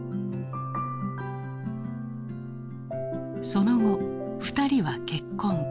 その後２人は結婚。